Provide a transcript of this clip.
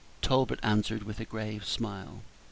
Talbot answered her with a grave smile.